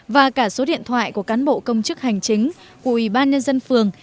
và cả số điện thoại của cán bộ công chức hành chính của ủy ban nhân dân phường